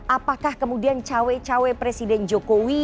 apakah kemudian cawe cawe presiden jokowi